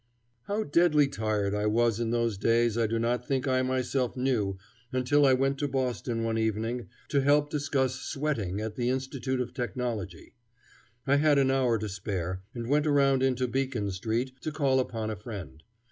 How deadly tired I was in those days I do not think I myself knew until I went to Boston one evening to help discuss sweating at the Institute of Technology. I had an hour to spare, and went around into Beacon Street to call upon a friend.